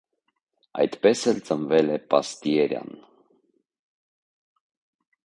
Այդպես էլ ծնվել է պաստիերան։